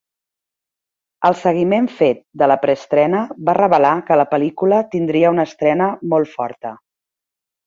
El seguiment fet de la preestrena va revelar que la pel·lícula tindria una estrena molt forta.